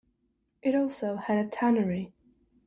It also had a tannery.